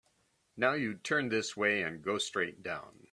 Now you just turn this way and go right straight down.